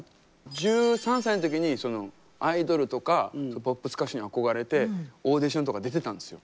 １３歳の時にアイドルとかポップス歌手に憧れてオーディションとか出てたんですよ。